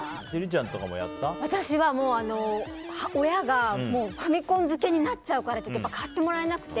私は親がファミコン漬けになっちゃうからって買ってもらえなくて。